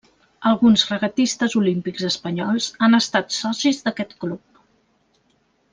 Alguns regatistes olímpics espanyols han estat socis d'aquest club.